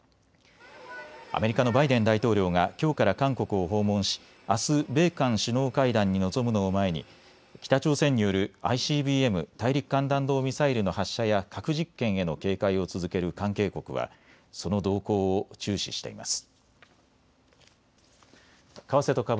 アメリカのバイデン大統領がきょうから韓国を訪問しあす米韓首脳会談に臨むのを前に北朝鮮によるＩＣＢＭ・大陸間弾道ミサイルの発射や核実験への警戒を続ける関係国はその動向を注視しています。